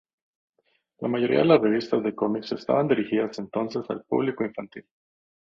La mayoría de las revistas de cómics estaban dirigidas entonces al público infantil.